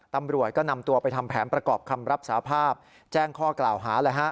ตำรวจก็นำตัวไปทำแผนประกอบคำรับสาภาพแจ้งข้อกล่าวหาเลยฮะ